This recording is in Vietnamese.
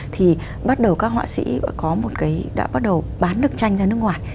thì bắt đầu các họa sĩ có một cái đã bắt đầu bán được tranh ra nước ngoài